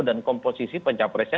dan komposisi pencapresnya